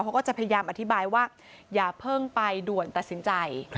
เขาก็จะพยายามอธิบายว่าอย่าเพิ่งไปด่วนตัดสินใจ